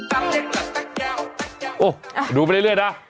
ดูไปเรื่อยนะ